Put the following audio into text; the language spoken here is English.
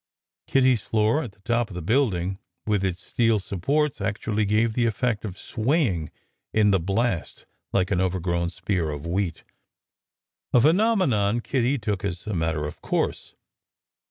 Kitty s floor at the top of the building, with its steel supports, actually gave the effect of swaying in the blast like an overgrown spear of wheat, a phenome non Kitty took as a matter of course.